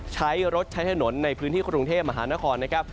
ใช้รถใช้ถนนในพื้นที่กรุงเทพมหานครนะครับ